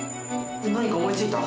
何か思いついた？